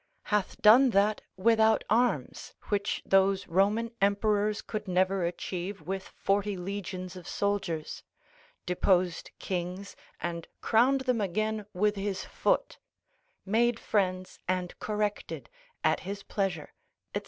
hath done that without arms, which those Roman emperors could never achieve with forty legions of soldiers, deposed kings, and crowned them again with his foot, made friends, and corrected at his pleasure, &c.